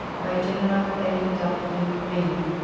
BY GENERAL A. W. GREELY.